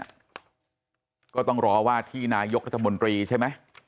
ก็ต้องรอว่าที่นายกรัฐมนตรีใช่ไหม